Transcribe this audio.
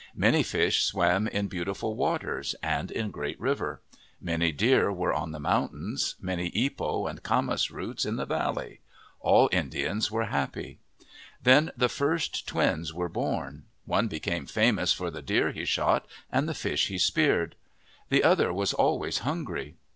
Many fish swam in Beauti ful Waters and in Great River. Many deer were on the mountains ; many ipo and camas roots in the valley. All Indians were happy. Then the first twins were born. One became famous for the deer he shot and the fish he speared. The other was always hungry.